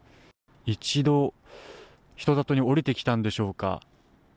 一度、人里に下りてきたんでしょうか。